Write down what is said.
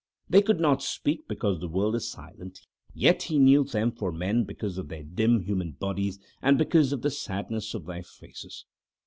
They could not speak because that world is silent, yet he knew them for men because of their dim human bodies, and because of the sadness of their faces.